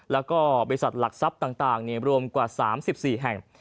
แล้วก็บริษัทหลักทรัพย์ต่างรวมกว่า๓๔แห่ง